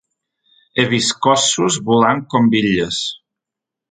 He vist cossos volant com bitlles.